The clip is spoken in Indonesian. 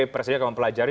presiden akan mempelajari